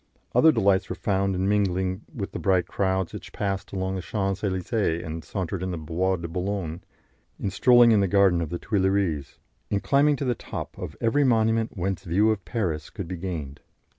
Other delights were found in mingling with the bright crowds which passed along the Champs Elysees and sauntered in the Bois de Boulogne, in strolling in the garden of the Tuileries, in climbing to the top of every monument whence view of Paris could be gained.